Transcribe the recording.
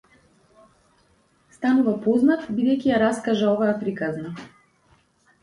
Станува познат бидејќи ја раскажа оваа приказна.